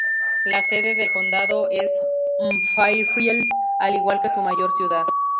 La sede del condado es Fairfield, al igual que su mayor ciudad.